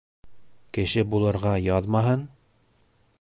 — Кеше булырға яҙмаһын?